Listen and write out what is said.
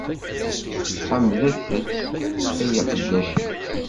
Ḥemdet- t, ay iqeddacen-is.